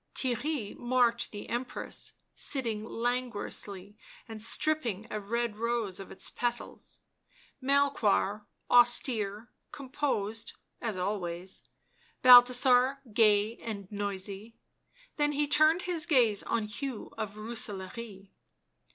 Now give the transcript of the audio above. Theirry marked the Empress, sitting languorously and stripping a red rose of its petals ; Melchoir, austere, composed, as always ; Bal thasar, gay and noisy ; then he turned his gaze on Hugh of Booselaare.